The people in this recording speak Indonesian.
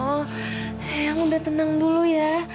ayah udah tenang dulu ya